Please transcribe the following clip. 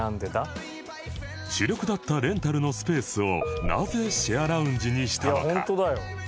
主力だったレンタルのスペースをなぜシェアラウンジにしたのか？